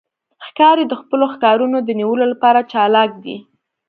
ښکاري د خپلو ښکارونو د نیولو لپاره چالاک دی.